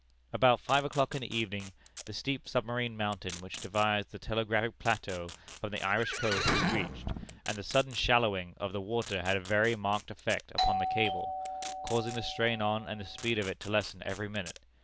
"About five o'clock in the evening, the steep submarine mountain which divides the telegraphic plateau from the Irish coast was reached, and the sudden shallowing of the water had a very marked effect upon the cable, causing the strain on and the speed of it to lessen every minute.